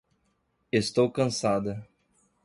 Estou cansada